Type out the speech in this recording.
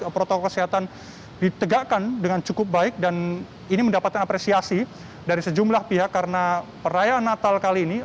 protokol kesehatan ditegakkan dengan cukup baik dan ini mendapatkan apresiasi dari sejumlah pihak karena perayaan natal kali ini